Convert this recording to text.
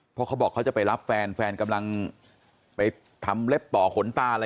เพราะเขาบอกเขาจะไปรับแฟนแฟนกำลังไปทำเล็บต่อขนตาอะไร